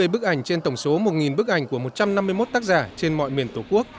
hai mươi bức ảnh trên tổng số một bức ảnh của một trăm năm mươi một tác giả trên mọi miền tổ quốc